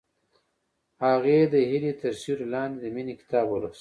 هغې د هیلې تر سیوري لاندې د مینې کتاب ولوست.